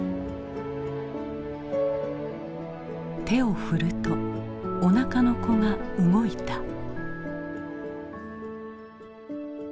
手を振るとおなかの子が動いた。